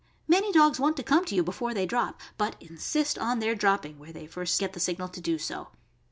Many dogs want to come to you before they drop, but insist on their dropping where they first get the signal to do so.